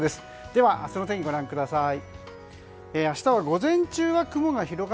では明日の天気ご覧ください。